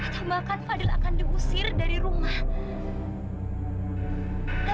sampai jumpa di video selanjutnya